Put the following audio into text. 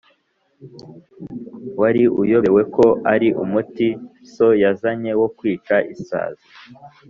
wari uyobewe ko ari umuti so yazanye wo kwica isazi?